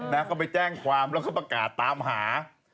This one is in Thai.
นะก็ไปแจ้งความแล้วก็ประกาศตามหา